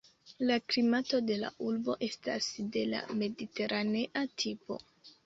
La klimato de la urbo estas de la mediteranea tipo.